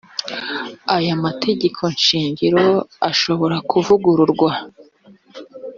aya mategeko shingiro ashobora kuvugururwa